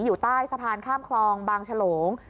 อยู่ใต้สะพานข้ามคลองบางฉลง